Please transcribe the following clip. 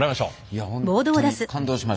いや本当に感動しました。